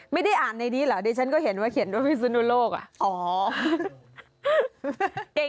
ไม่ได้อ่านในนี้เหรอดิฉันก็เห็นว่าเขียนด้วยพิศนุโลกอ่ะ